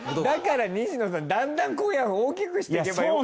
だから西野さんだんだん小屋を大きくしてけば。